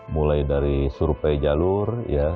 mulai dari survei jalur